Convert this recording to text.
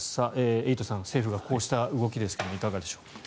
エイトさん政府がこうした動きですがいかがですか。